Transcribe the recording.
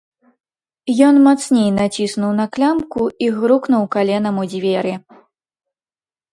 Ён мацней націснуў на клямку і грукнуў каленам у дзверы.